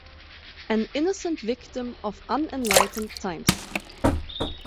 An innocent victim of unenlightened times.